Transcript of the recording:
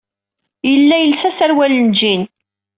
Yella yelsa aserwal n ujean.